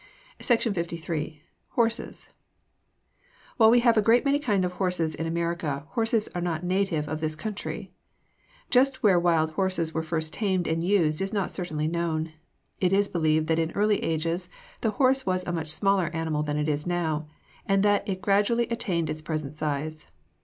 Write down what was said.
SECTION LIII. HORSES While we have a great many kinds of horses in America, horses are not natives of this country. Just where wild horses were first tamed and used is not certainly known. It is believed that in early ages the horse was a much smaller animal than it now is, and that it gradually attained its present size.